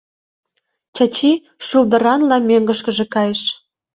Чачи шулдыранла мӧҥгышкыжӧ кайыш.